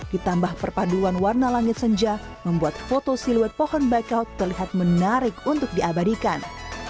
ditambah perpaduan warna langit senja membuat foto siluet pohon bakau terlihat menarik untuk diabadikan